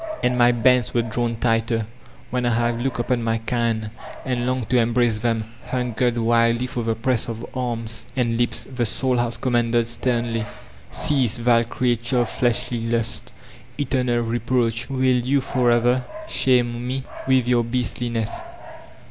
And my bands were drawn tighter. When I have looked upon my kind, and longed to em brace them, hungered wildly for the press of arms and I The Soeiows of the Body 453 lips, the Sotil has commanded sternly» ''Cease, vile crea lure of fleshly lusts! Eternal reproach 1 Will you for ever shame me with your beastliness?